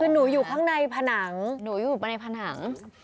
คือหนูอยู่ข้างในผนัง